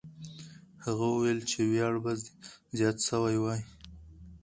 هغه وویل چې ویاړ به زیات سوی وای.